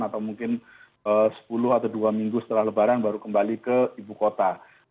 atau mungkin sepuluh atau dua minggu setelah lebaran baru kembali ke ibu kota